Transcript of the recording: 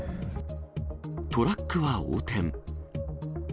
トラックは横転。